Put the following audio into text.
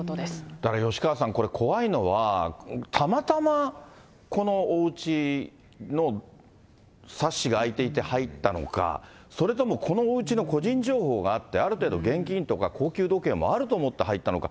だから吉川さん、これ怖いのは、たまたまこのおうちのサッシが開いていって入ったのか、それともこのおうちの個人情報があって、ある程度、現金とか高級時計があると思って入ったのか。